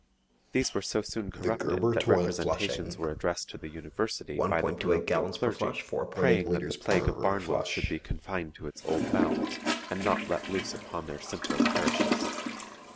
These were so soon corrupted that representations were addressed to the University by the parochial clergy, praying that the plague of Barnwall should be confined to its old bounds, and not let loose upon their simpler parishes.